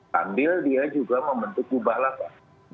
sambil dia juga membentuk kubah lapar